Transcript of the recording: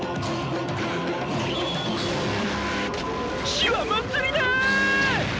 死は祭りだ！